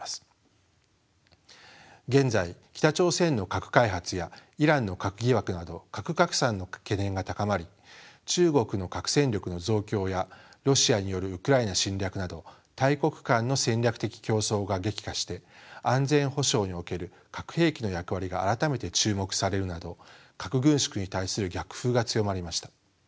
現在北朝鮮の核開発やイランの核疑惑など核拡散の懸念が高まり中国の核戦力の増強やロシアによるウクライナ侵略など大国間の戦略的競争が激化して安全保障における核兵器の役割が改めて注目されるなど核軍縮に対する逆風が強まりました。